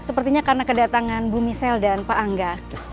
sepertinya karena kedatangan bu misel dan pak angga